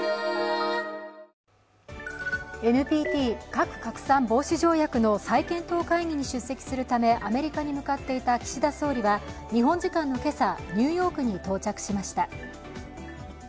ＮＰＴ＝核拡散防止条約の再検討会議に出席するため、アメリカに向かっていた岸田総理は日本時間の今朝、ニューヨークに到着しました。